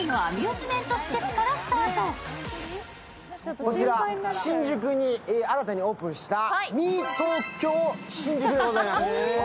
こちら新宿に新たにオープンしたＭＥＴＯＫＹＯＳＨＩＮＪＵＫＵでございます。